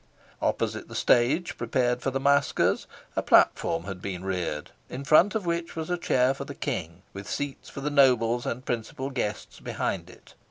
Opposite the stage prepared for the masquers a platform had been reared, in front of which was a chair for the King, with seats for the nobles and principal guests behind it.